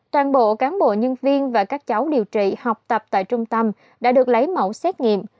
toàn bộ cán bộ nhân viên và các cháu điều trị học tập tại trung tâm đã được lấy mẫu xét nghiệm